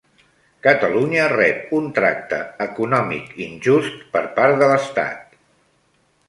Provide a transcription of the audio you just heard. Catalunya rep un tracte econòmic injust per part de l'Estat.